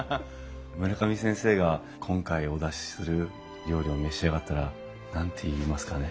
村上先生が今回お出しする料理を召し上がったら何て言いますかねえ。